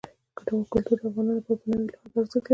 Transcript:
کلتور د افغانانو لپاره په معنوي لحاظ ارزښت لري.